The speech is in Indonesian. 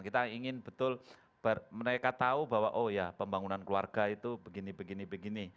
karena mereka ingin betul mereka tahu bahwa oh ya pembangunan keluarga itu begini begini begini